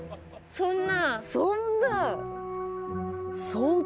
そんな。